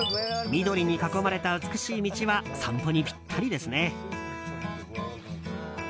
緑に囲まれた美しい道は散歩にぴったりですね。